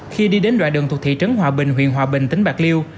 khi đi đến đoạn đường thuộc thị trấn hòa bình huyện hòa bình tỉnh bạc liêu